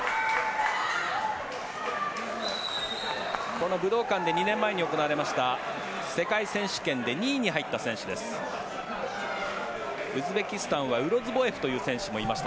この武道館で２年前に行われました世界選手権で２位に入った選手です。